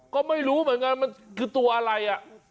ก็ไม่รู้เหมือนกันมันคือตัวอะไร